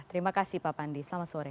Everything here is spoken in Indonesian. terima kasih pak pandi selamat sore